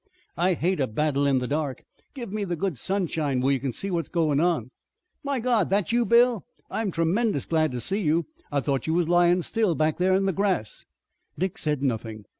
"I hate a battle in the dark. Give me the good sunshine, where you can see what's goin' on. My God, that you Bill! I'm tremendous glad to see you! I thought you was lyin' still, back there in the grass!" Dick said nothing.